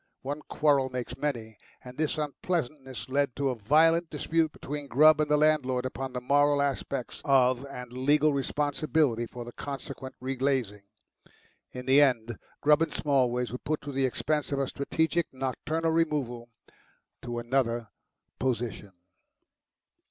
One quarrel makes many, and this unpleasantness led to a violent dispute between Grubb and the landlord upon the moral aspects of and legal responsibility for the consequent re glazing. In the end Grubb and Smallways were put to the expense of a strategic nocturnal removal to another position.